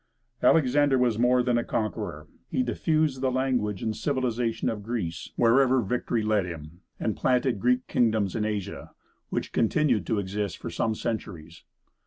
Alexander was more than a conqueror. He diffused the language and civilization of Greece wherever victory led him, and planted Greek kingdoms in Asia, which continued to exist for some centuries.